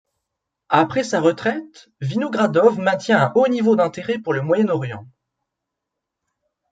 Après sa retraite, Vinogradov maintient un haut niveau d'intérêt pour le Moyen-Orient.